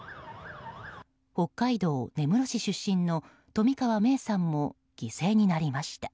北海道根室市出身の冨川芽生さんも犠牲になりました。